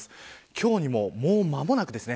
今日にも、もう間もなくですね。